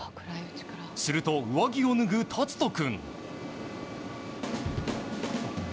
すると上着を脱ぐ尊君。